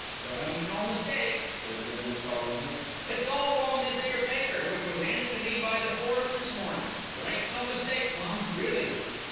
There ain't no mistake," said Bindle solemnly. "It's all on this 'ere paper, which was 'anded to me by the foreman this mornin'. There ain't no mistake, mum, really."